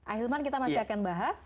ahilman kita masih akan bahas